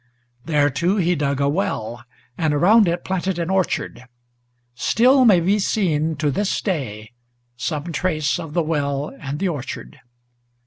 There too he dug a well, and around it planted an orchard: Still may be seen to this day some trace of the well and the orchard.